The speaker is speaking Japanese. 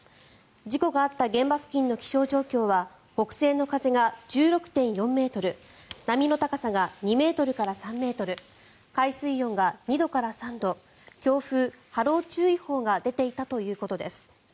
事故があった現場付近の気象状況は北西の風が１６．４ｍ波の高さが２ｍから３ｍ海水温が２度から３度強風・波浪注意報が出ていたということです。